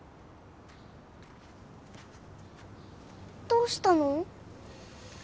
どうしたの？